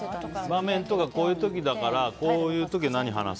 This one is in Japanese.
場面とか、こういう時だからこういう時は何話す？